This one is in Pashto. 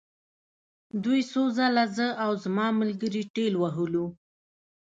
دوی څو ځله زه او زما ملګري ټېل وهلو